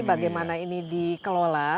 bagaimana ini dikelola